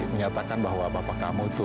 menyatakan bahwa bapak kamu itu